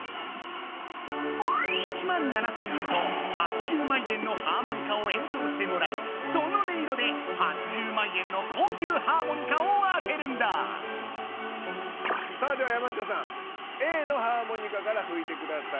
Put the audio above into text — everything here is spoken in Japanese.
１万７千円と８０万円のハーモニカをえんそうしてもらいその音色で８０万円のさあでは山下さんＡのハーモニカからふいてください。